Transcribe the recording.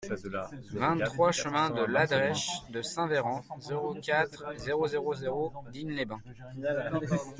vingt-trois chemin de L'Adrech de Saint-Véran, zéro quatre, zéro zéro zéro Digne-les-Bains